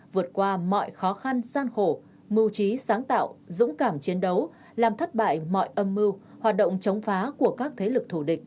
vượt qua mọi khó khăn gian khổ mưu trí sáng tạo dũng cảm chiến đấu làm thất bại mọi âm mưu hoạt động chống phá của các thế lực thủ địch